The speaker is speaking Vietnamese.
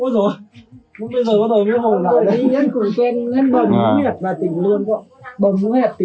bầm nhú hẹt tỉnh lương